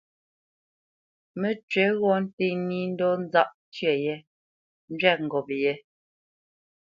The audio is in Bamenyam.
Mə́cywǐ ghɔ̂ nté nǐ ndɔ̌ nzáʼ tyə yé njwɛ̂p ngop yě.